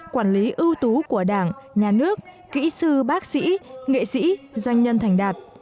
quản lý ưu tú của đảng nhà nước kỹ sư bác sĩ nghệ sĩ doanh nhân thành đạt